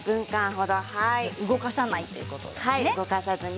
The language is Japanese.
動かさないということですね。